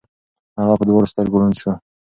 هغه په دواړو سترګو ړوند شو.